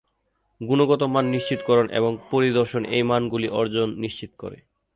গুণগত মান নিশ্চিতকরণ এবং পরিদর্শন এই মানগুলি অর্জন নিশ্চিত করে।